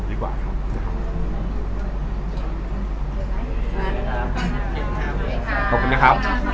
ไม่ได้หรอ